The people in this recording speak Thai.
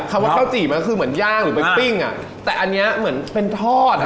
คำว่าข้าวจี่มันคือเหมือนย่างหรือเป็นปิ้งอ่ะแต่อันเนี้ยเหมือนเป็นทอดอ่ะ